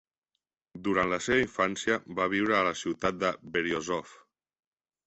Durant la seva infància va viure a la ciutat de Beryozov.